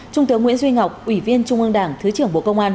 trung tướng nguyễn duy ngọc ủy viên trung ương đảng thứ trưởng bộ công an